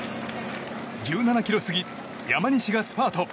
１７ｋｍ過ぎ山西がスパート。